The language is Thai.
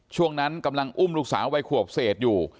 ช่วงนั้นกำลังอุ้มลูกสาววัยขวบเศษอยู่